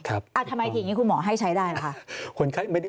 ทำไมทีนี้คุณหมอให้ใช้ได้หรือคะ